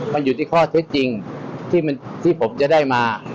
มันอยู่ที่ข้อเท็จจริงที่ผมจะได้มา